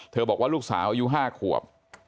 บอกว่าลูกสาวอายุ๕ขวบ